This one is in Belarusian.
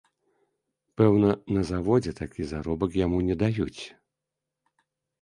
Пэўна, на заводзе такі заробак яму не даюць.